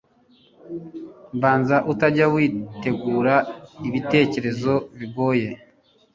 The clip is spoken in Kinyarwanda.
mbanza utajya wi tegura ibi tekerezo bigoye